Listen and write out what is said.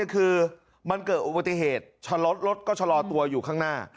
คือมันเกิดอุบัติเหตุชะลอรถรถก็ชะลอตัวอยู่ข้างหน้า